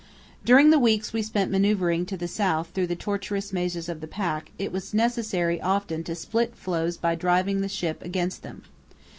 During the weeks we spent manœuvring to the south through the tortuous mazes of the pack it was necessary often to split floes by driving the ship against them.